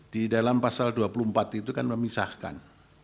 di dalam pasal dua puluh empat itu kan memisahkan